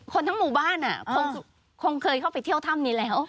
ทั้งหมู่บ้านคงเคยเข้าไปเที่ยวถ้ำนี้แล้ว